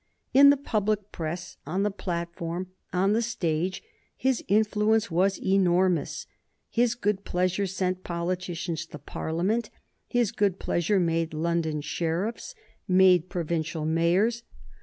In the public press, on the platform, on the stage, his influence was enormous. His good pleasure sent politicians to Parliament; his good pleasure made London sheriffs, made provincial mayors.